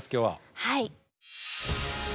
はい。